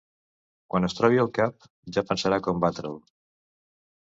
Quan es trobi el cap, ja pensarà com batre'l.